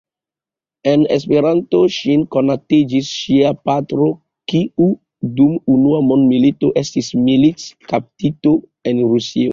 Kun Esperanto ŝin konatigis ŝia patro, kiu dum Unua mondmilito estis militkaptito en Rusio.